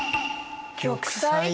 「玉砕」？